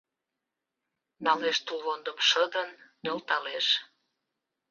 Налеш тулвондым шыдын, нӧлталеш.